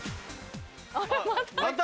あれまた？